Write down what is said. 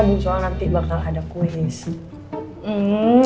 bukannya nanti bakal ada kuis